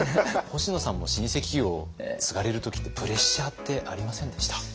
星野さんも老舗企業を継がれる時ってプレッシャーってありませんでした？